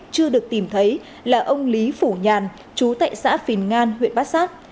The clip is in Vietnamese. chưa được tìm thấy là ông lý phủ nhàn chú tại xã phìn ngan huyện bát sát